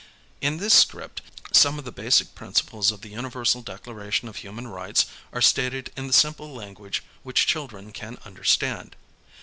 In this script some of the basic principles of the Universal Declara tion of Human Rights are stated in the simple language which children can understand.